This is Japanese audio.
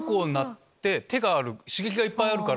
手がある刺激がいっぱいあるから。